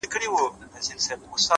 چي در رسېږم نه ـ نو څه وکړم ه ياره ـ